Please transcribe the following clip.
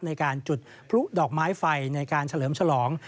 ในการจุดพลุดอกไม้ไฟในการเฉลิมฉลอง